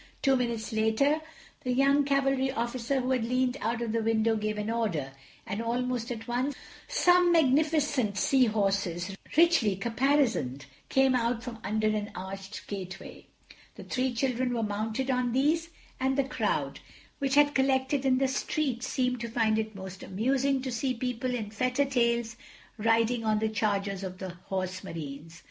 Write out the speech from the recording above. Two minutes later the young Cavalry Officer who had leaned out of the window gave an order, and almost at once some magnificent Sea Horses, richly caparisoned, came out from under an arched gateway. The three children were mounted on these, and the crowd which had collected in the street seemed to find it most amusing to see people in fetter tails riding on the chargers of the Horse Marines.